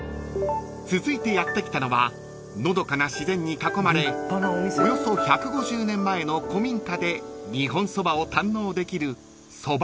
［続いてやって来たのはのどかな自然に囲まれおよそ１５０年前の古民家で日本そばを堪能できる］